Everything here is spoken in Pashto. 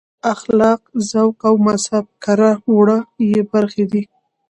اخلاق ذوق او مهذب کړه وړه یې برخې دي.